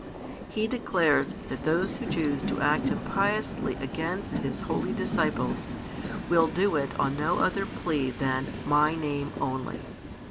He declares that those who choose to act impiously against His holy disciples will do it on no other plea than "My Name" only.